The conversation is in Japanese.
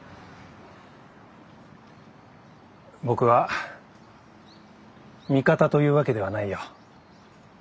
僕は味方というわけではないよ。